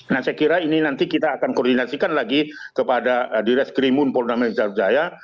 nah saya kira ini nanti kita akan koordinasikan lagi kepada di reskrimun polda metro jaya